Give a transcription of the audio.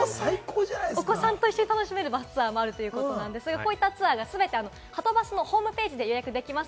お子さんと一緒に楽しめるバスツアーもあるということなんですが、こういったツアーが全て、はとバスのホームページで予約できます。